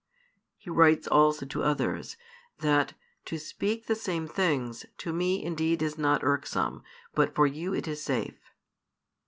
He writes also to others, that to speak the same things, to me indeed is not irksome, but for you it is safe.